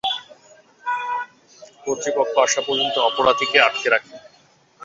কর্তৃপক্ষ আসা পর্যন্ত অপরাধীকে আটকে রাখে।